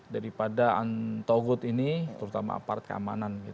daripada antogod ini terutama apart keamanan